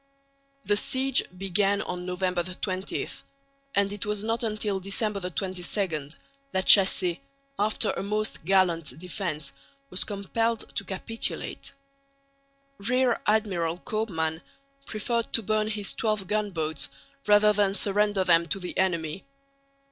The siege began on November 20, and it was not until December 22 that Chassé, after a most gallant defence, was compelled to capitulate. Rear Admiral Koopman preferred to burn his twelve gunboats rather than surrender them to the enemy.